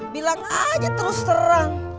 bilang aja terus terang